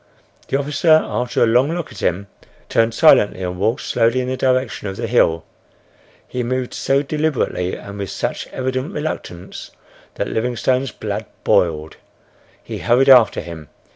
The officer, after a long look at him, turned silently and walked slowly in the direction of the hill. He moved so deliberately and with such evident reluctance that Livingstone's blood boiled. He hurried after him.